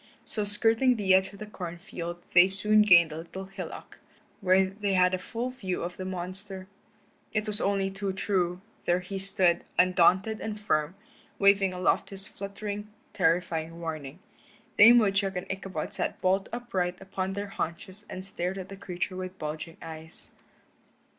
So skirting the edge of the corn field they soon gained a little hillock, where they had a full view of the monster. It was only too true; there he stood, undaunted and firm, waving aloft his fluttering, terrifying warning. Dame Woodchuck and Ichabod sat bolt upright upon their haunches and stared at the creature with bulging eyes.